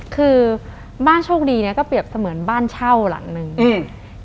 คือบ้านโชคดีเนี้ยก็เปรียบเสมือนบ้านเช่าหลังหนึ่งอืม